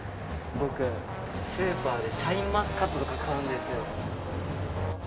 僕、スーパーでシャインマスカットとか買うんですよ。